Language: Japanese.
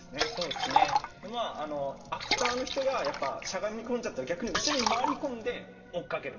アクターの人がしゃがみ込んじゃったら逆に後ろに回り込んで追いかける。